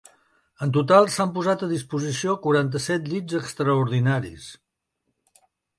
En total s’han posat a disposició quaranta-set llits extraordinaris.